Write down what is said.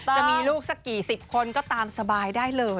จะมีลูกสักกี่สิบคนก็ตามสบายได้เลย